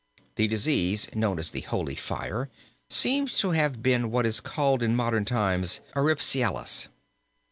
The disease known as the holy fire seems to have been what is called in modern times erysipelas.